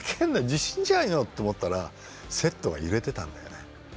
地震じゃんよって思ったらセットが揺れてたんだよね。